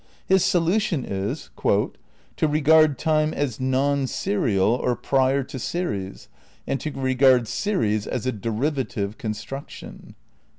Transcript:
His solution is "to regard time as non serial or prior to series, and to regard series as a derivative construction."